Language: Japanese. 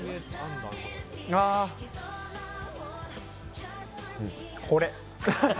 ああこれ！